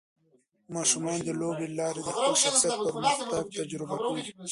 ماشومان د لوبو له لارې د خپل شخصیت پرمختګ تجربه کوي.